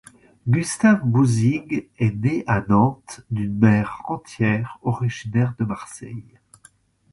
Gustave Bousigues est né à Nantes d'une mère rentière originaire de Marseille.